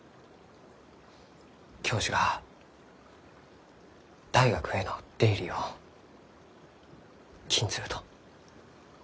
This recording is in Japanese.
教授が大学への出入りを禁ずると。